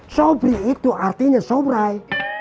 sobri itu artinya sobrai